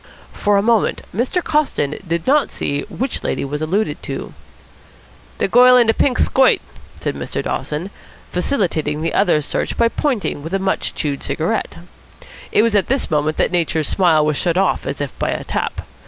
For a moment Mr. Coston did not see which lady was alluded to. "De goil in de pink skoit," said Mr. Dawson, facilitating the other's search by pointing with a much chewed cigarette. It was at this moment that Nature's smile was shut off as if by a tap.